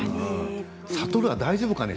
智は大丈夫かね。